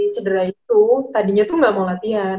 cedera itu tadinya tuh gak mau latihan